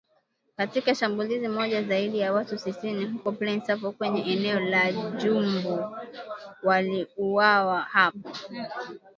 Katika shambulizi moja, zaidi ya watu sitini huko Plaine Savo kwenye eneo la Djubu waliuawa hapo